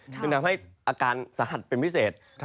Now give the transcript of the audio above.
ซึ่งทำให้อาการสาหัสเป็นพิเศษ